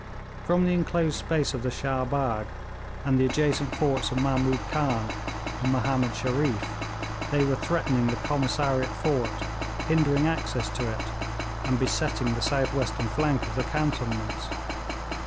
From the enclosed space of the Shah Bagh, and the adjacent forts of Mahmood Khan and Mahomed Shereef, they were threatening the Commissariat fort, hindering access to it, and besetting the south western flank of the cantonments.